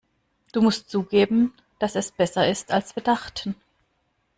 Du musst zugeben, dass es besser ist, als wir dachten.